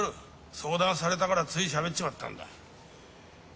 相談されたからついしゃべっちまったんだ。